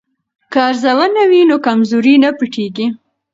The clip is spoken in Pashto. که ارزونه وي نو کمزوري نه پټیږي.